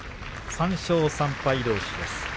３勝３敗どうし。